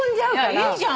いいじゃん。